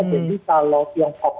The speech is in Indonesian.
jadi kalau tiongkok